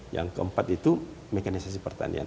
yang keempat itu mekanisasi pertanian